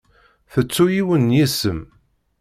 Tettu yiwen n yisem.